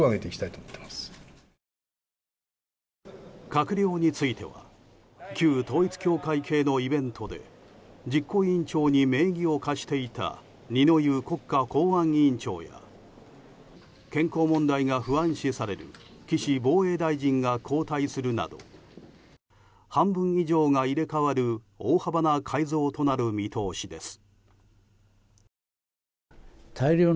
閣僚については旧統一教会系のイベントで実行委員長に名義を貸していた二之湯国家公安委員長や健康問題が不安視される岸防衛大臣が交代するなど半分以上が入れ替わる大幅な改造となる見通しです。